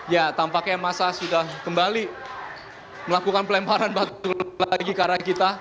ya tampaknya masa sudah kembali melakukan pelemparan batu lagi ke arah kita